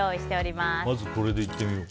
まず、これでいってみよう。